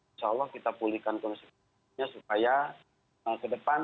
insya allah kita pulihkan konsistensinya supaya ke depan